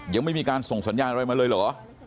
ยังไม่มีการส่งสัญญาณอะไรมาเลยเหรอ